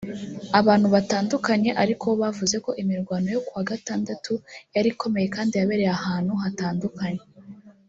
Abantu batandukanye ariko bo bavuze ko imirwano yo ku wa gatandatu yari ikomeye kandi yabereye ahantu hatandukanye